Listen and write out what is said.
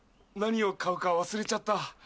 何を買うか忘れちゃった。